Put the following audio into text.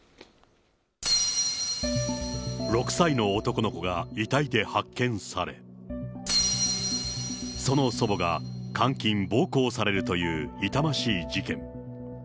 ６歳の男の子が遺体で発見され、その祖母が監禁暴行されるという痛ましい事件。